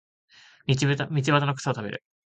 道端の草を食べる